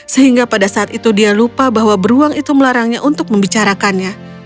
sehingga pada saat itu dia lupa bahwa beruang itu melarangnya untuk membicarakannya